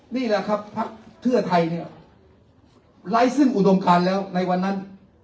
นี่แหละครับพักเพื่อไทยเนี่ยไร้ซึ่งอุดมการแล้วในวันนั้น